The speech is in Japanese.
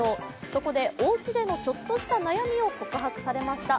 そこでおうちでのちょっとした悩みを告白されました。